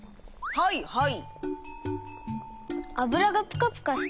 はいはい。